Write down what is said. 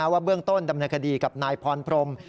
ว่าเบื้องต้นดำเนินคดีกับนายพรพรม